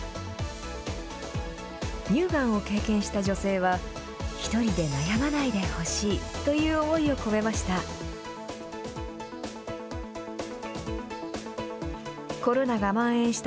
乳がんを経験した女性は、１人で悩まないでほしいという思いを込めました。